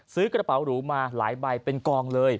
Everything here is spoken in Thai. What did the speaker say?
ซื้อกระเป๋าหรูมาหลายใบเป็นกองเลย